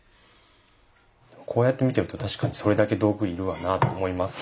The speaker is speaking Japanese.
こうやって見てると確かにそれだけ道具要るわなと思いますね。